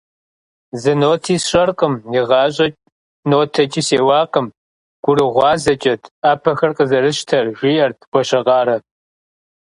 - Зы ноти сщӀэркъым, игъащӀэм нотэкӀи сеуакъым, гурыгъуазэкӀэт Ӏэпэхэр къызэрысщтэр, - жиӏэрт Гуащэкъарэ.